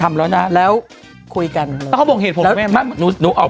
แม่บ่อ